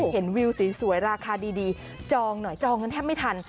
เห็นวิวสวยราคาดีจองหน่อยจองกันแทบไม่ทัน